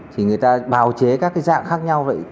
thì người ta bảo chế các dạng khác nhau